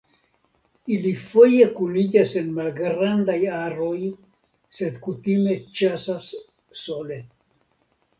Ili foje kuniĝas en malgrandaj aroj sed kutime ĉasas sole.